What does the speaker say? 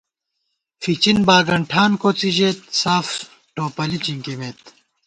فِچِن باگن ٹھان کوڅی ژېت، ساف ٹوپَلی چِنکِمېت